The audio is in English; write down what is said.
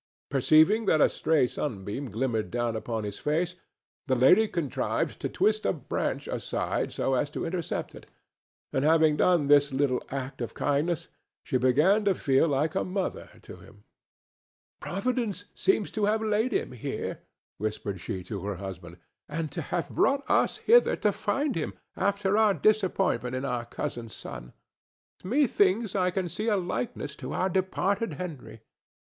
Perceiving that a stray sunbeam glimmered down upon his face, the lady contrived to twist a branch aside so as to intercept it, and, having done this little act of kindness, she began to feel like a mother to him. "Providence seems to have laid him here," whispered she to her husband, "and to have brought us hither to find him, after our disappointment in our cousin's son. Methinks I can see a likeness to our departed Henry.